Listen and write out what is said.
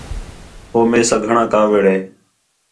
ہو میساں گھݨاں کاوِڑ ہے